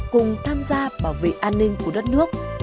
cùng tham gia bảo vệ an ninh của đất nước